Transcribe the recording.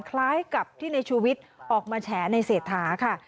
คล้ายกับที่ในชูวิทย์ออกมาแฉในเศรษฐาค่ะ